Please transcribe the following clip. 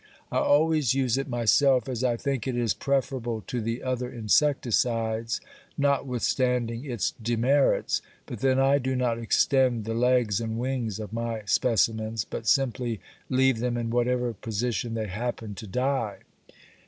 I always use it myself as I think it is preferable to the other insecticides, notwithstanding its demerits, but then I do not extend the legs and wings of my specimens, but simply leave them in whatever position they happen to die.